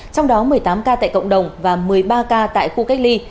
trong đó một mươi tám ca tại cộng đồng và một mươi ba ca tại khu cách ly